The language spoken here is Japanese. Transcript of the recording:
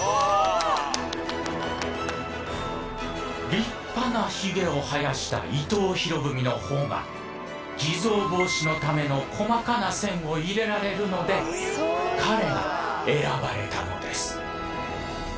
立派なひげを生やした伊藤博文の方が偽造防止のための細かな線を入れられるので彼が選ばれたのです。